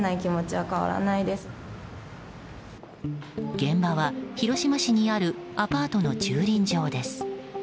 現場は広島市にあるアパートの駐輪場です。